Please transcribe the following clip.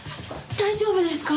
大丈夫ですか？